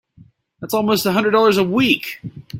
That's almost a hundred dollars a week!